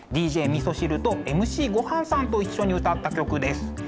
ＤＪみそしるとＭＣごはんさんと一緒に歌った曲です。